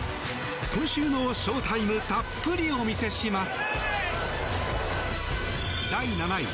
今週のショータイムたっぷりお見せします。